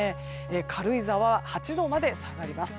軽井沢は８度まで下がります。